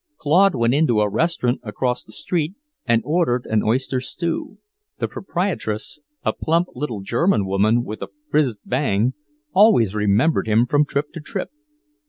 Claude went into a restaurant across the street and ordered an oyster stew. The proprietress, a plump little German woman with a frizzed bang, always remembered him from trip to trip.